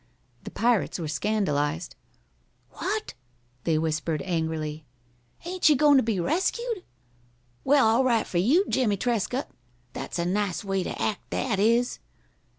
The pirates were scandalized. "What?" they whispered, angrily. "Ain't you goin' to be rescued? Well, all right for you, Jimmie Trescott. That's a nice way to act, that is!"